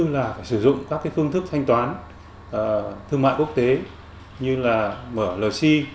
và phải sử dụng các phương thức thanh toán thương mại quốc tế như là mở lời si